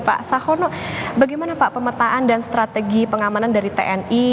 pak sahono bagaimana pak pemetaan dan strategi pengamanan dari tni